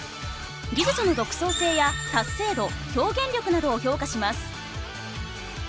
技術の独創性や達成度表現力などを評価します。